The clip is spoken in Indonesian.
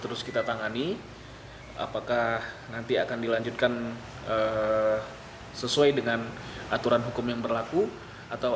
terus kita tangani apakah nanti akan dilanjutkan sesuai dengan aturan hukum yang berlaku atau